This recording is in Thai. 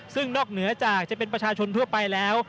ซึ่งนอกเหนือจากจะเป็นประชาชนทั่วไปแล้ว